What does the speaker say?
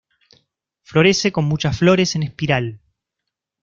Florece con muchas flores en espiral.